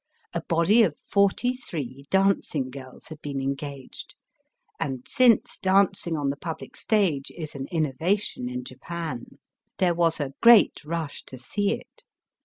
A body of forty three dancing girls had been engaged, and, since dancing on the pubUc stage is an innovation in Japan, there was a great rush to see it.